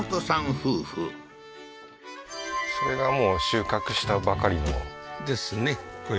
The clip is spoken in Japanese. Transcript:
夫婦それがもう収穫したばかりのですね